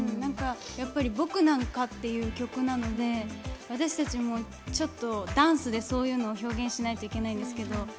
「僕なんか」っていう曲なので私たちもダンスでそういうのを表現しないといけないんですけど